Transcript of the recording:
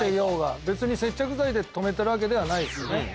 別に接着剤で留めてるわけではないですよね？